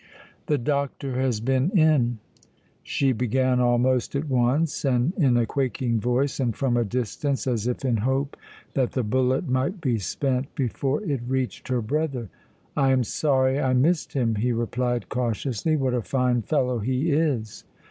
"The doctor has been in." She began almost at once, and in a quaking voice and from a distance, as if in hope that the bullet might be spent before it reached her brother. "I am sorry I missed him," he replied cautiously. "What a fine fellow he is!"